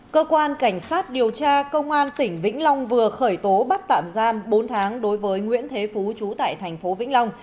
cơ quan cảnh sát điều tra công an tỉnh vĩnh long vừa khởi tố bắt tạm giam bốn tháng đối với nguyễn thế phú trú tại thành phố vĩnh long